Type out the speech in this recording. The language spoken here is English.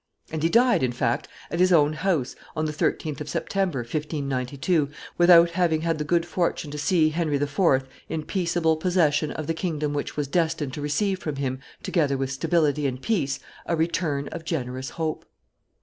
And he died, in fact, at his own house, on the 13th of September, 1592, without having had the good fortune to see Henry IV. in peaceable possession of the kingdom which was destined to receive from him, together with stability and peace, a return of generous hope.